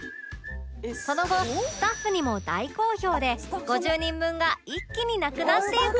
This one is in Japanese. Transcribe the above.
その後スタッフにも大好評で５０人分が一気になくなっていく！